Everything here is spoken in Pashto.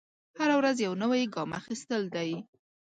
هره ورځ یو نوی ګام اخیستل دی.